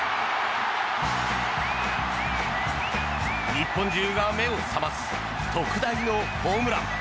日本中が目を覚ます特大のホームラン。